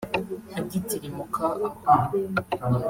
Agitirimuka aho